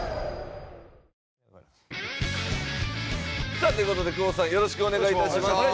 さあという事で久保田さんよろしくお願いいたします。